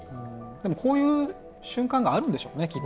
でもこういう瞬間があるんでしょうねきっと。